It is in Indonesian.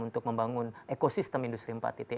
untuk membangun ekosistem industri